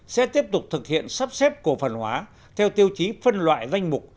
sẽ tiếp tục thực hiện sắp xếp cổ phần hóa theo tiêu chí phân loại danh mục